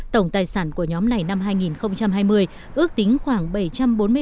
tổng tài sản của nhóm này năm hai nghìn hai mươi ước tính khoảng bảy trăm linh triệu